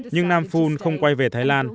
nhưng nam phun không quay về thái lan